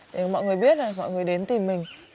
để mọi người biết là mọi người đến tìm mình